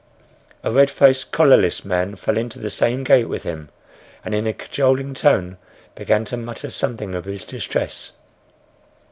A red faced, collarless man fell into the same gait with him, and in a cajoling tone began to mutter something of his distress.